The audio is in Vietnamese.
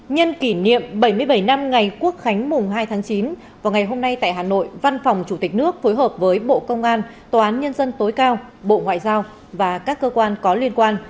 nhân kỷ niệm bảy mươi bảy năm ngày quốc khánh mùng hai tháng chín vào ngày hôm nay tại hà nội văn phòng chủ tịch nước phối hợp với bộ công an tòa án nhân dân tối cao bộ ngoại giao và các cơ quan có liên quan